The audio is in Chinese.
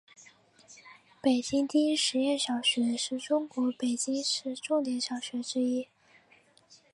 北京第一实验小学是中国北京市重点小学之一。